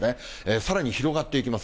さらに広がっていきます。